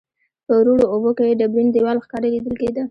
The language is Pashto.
په روڼو اوبو کې ډبرین دیوال ښکاره لیدل کیده.